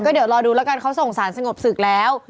เดี๋ยวรอดูแล้วกันเขาส่งสารสงบศึกแล้ว